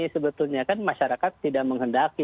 sebetulnya kan masyarakat tidak menghendaki